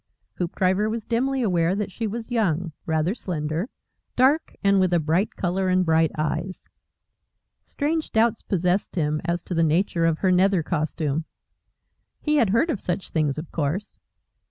Hoopdriver was dimly aware that she was young, rather slender, dark, and with a bright colour and bright eyes. Strange doubts possessed him as to the nature of her nether costume. He had heard of such things of course.